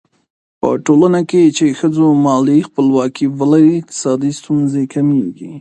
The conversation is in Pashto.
په ټولنه کې چې ښځو مالي خپلواکي ولري، اقتصادي ستونزې کمېږي.